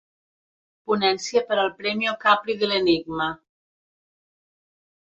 Ponència per al Premio Capri dell'Enigma.